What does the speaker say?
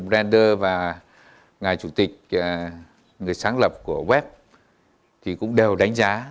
ông brand và ngài chủ tịch người sáng lập của web cũng đều đánh giá